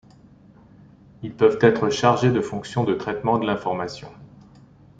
Ils peuvent être chargés de fonctions de traitement de l'information.